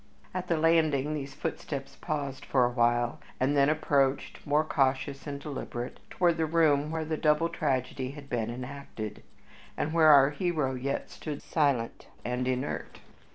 At the landing these footsteps paused for a while, and then approached, more cautious and deliberate, toward the room where the double tragedy had been enacted, and where our hero yet stood silent and inert.